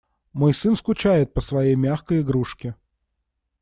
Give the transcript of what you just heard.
Мой сын скучает по своей мягкой игрушке.